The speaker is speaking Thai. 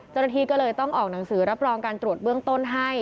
เจ้าหน้าที่ก็เลยต้องออกหนังสือรับรองการตรวจเบื้องต้นให้